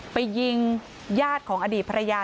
ไปยิงญาติของอดีตภรรยา